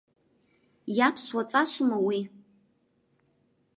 Иаԥсуа ҵасума уи?